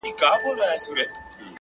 پوهه د شکونو تیاره لرې کوي،